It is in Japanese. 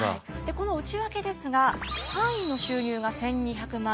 この内訳ですが藩医の収入が１，２００万円。